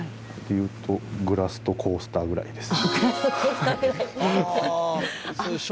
グラスとコースターぐらいです。